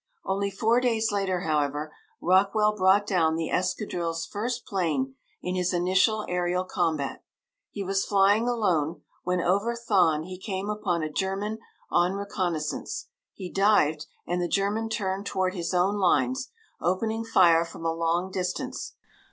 Only four days later, however, Rockwell brought down the escadrille's first plane in his initial aërial combat. He was flying alone when, over Thann, he came upon a German on reconnaissance. He dived and the German turned toward his own lines, opening fire from a long distance.